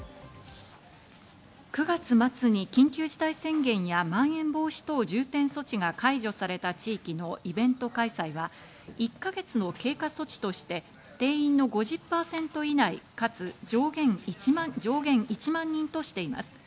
９月末に緊急事態宣言や、まん延防止等重点措置が解除された地域のイベント開催は、１か月の経過措置として定員の５０％以内かつ上限１万人としています。